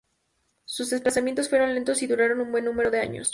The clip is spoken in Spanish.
Sus desplazamientos fueron lentos y duraron un buen número de años.